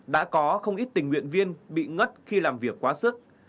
đã có không ít tình nguyện viên bị ngất khi làm việc quá sức